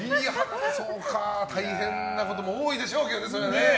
大変なことも多いでしょうけどね。